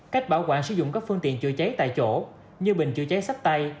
cách bảo quản sử dụng các phương tiện chữa cháy tại chỗ như bình chữa cháy sách tay